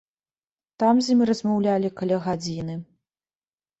Там з ім размаўлялі каля гадзіны.